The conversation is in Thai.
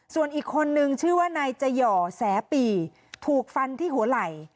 ส่วนอีกคนนึงชื่อว่านายจะหย่อแสปีถูกฟันที่หัวไหล่